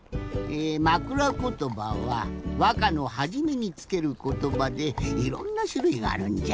まくらことばはわかのはじめにつけることばでいろんなしゅるいがあるんじゃ。